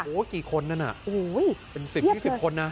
โอ้โหกี่คนนั่นอ่ะเป็น๑๐๒๐คนนะเปรี้ยบเกิน